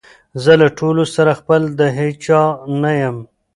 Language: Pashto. زه له ټولو سره خپل د هیچا نه یم